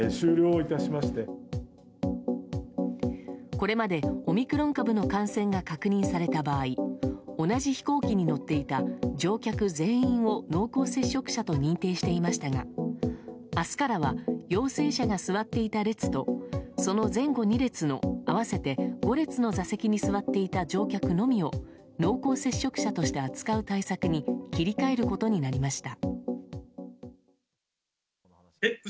これまで、オミクロン株の感染が確認された場合同じ飛行機に乗っていた乗客全員を濃厚接触者と認定していましたが明日からは陽性者が座っていた列とその前後２列の合わせて５列の座席に座っていた乗客のみを濃厚接触者として扱う対策に切り替えることになりました。